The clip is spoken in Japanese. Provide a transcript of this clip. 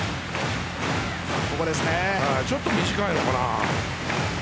ちょっと短いのかな。